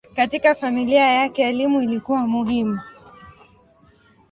Katika familia yake elimu ilikuwa muhimu.